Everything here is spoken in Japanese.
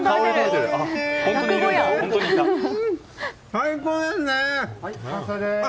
最高ですね！